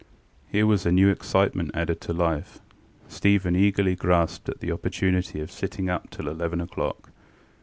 ŌĆØ Here was a new excitement added to life: Stephen eagerly grasped at the opportunity of sitting up till eleven oŌĆÖclock.